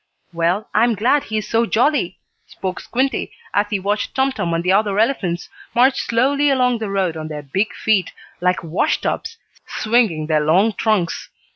"Well, I'm glad he is so jolly," spoke Squinty, as he watched Tum Tum and the other elephants march slowly along the road on their big feet, like wash tubs, swinging their long trunks.